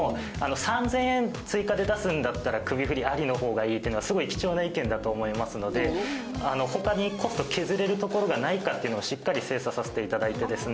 ３０００円追加で出すんだったら首振りありの方がいいっていうのはすごい貴重な意見だと思いますので他にコスト削れるところがないかっていうのをしっかり精査させていただいてですね